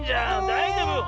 だいじょうぶ？